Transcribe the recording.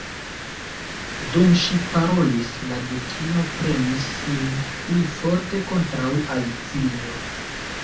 Dum ŝi parolis, la Dukino premis sin pli forte kontraŭ Alicio.